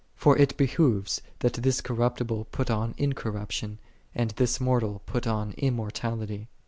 "For it behoveth that this corruptible put on incorruption, and this mor tal put on immortality."